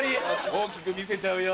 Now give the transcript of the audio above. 大きく見せちゃうよ。